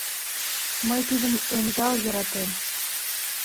Мый тудым ӧндал йӧратем.